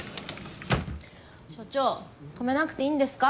所長止めなくていいんですか？